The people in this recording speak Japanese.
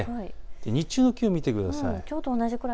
日中の気温、見てください。